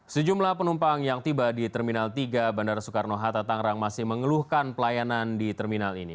sejumlah penumpang yang tiba di terminal tiga bandara soekarno hatta tangerang masih mengeluhkan pelayanan di terminal ini